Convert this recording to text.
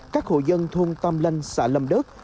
các hộ dân thôn tam lanh xã lâm đất